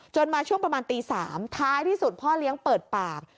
มาช่วงประมาณตี๓ท้ายที่สุดพ่อเลี้ยงเปิดปาก